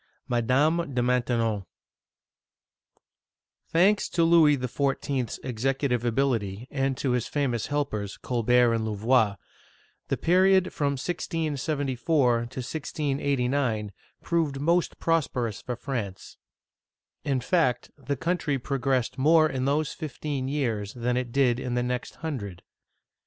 MADAME DE MAINTENON THANKS to Louis XIV/s executive ability, and to his famous helpers, Colbert and Louvois, the period from 1674 to 1689 proved most prosperous for France. In fact, the country progressed more in those fifteen years than it did in the next hundred.